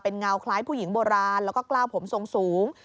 เงาคล้ายผู้หญิงโบราณแล้วก็กล้าวผมทรงสูง